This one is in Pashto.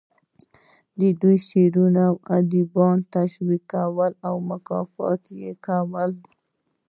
دوی شاعران او ادیبان تشویق کړل او مکافات یې ورکړل